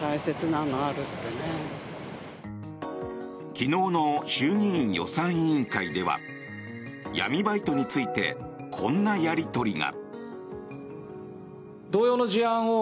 昨日の衆議院予算委員会では闇バイトについてこんなやり取りが。